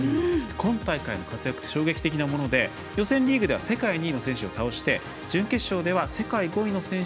今大会の活躍、衝撃的なもので予選リーグでは世界２位の選手を倒して準決勝では世界５位の選手。